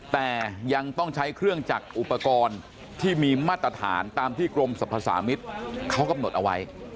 แต่ยังต้องใช้เครื่องจักรอุปกรณ์ที่มีมาตรฐานตามที่กรมสรรพสามิตรเขากำหนดเอาไว้